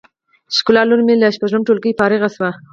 ښکلا لور می له شپږم ټولګی فارغه شوه